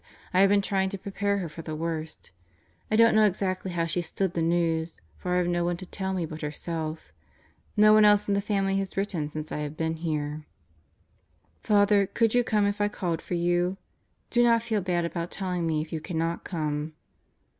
I have been trying to prepare her for the worst. I don't know exactly how she stood the news; for I have no one to tell me but herself. No one else in the family has written since I have been here. ... Father, could you come if I called for you? Do not feel bad about telling me if you cannot come.